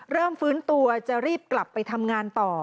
ฟื้นตัวจะรีบกลับไปทำงานต่อ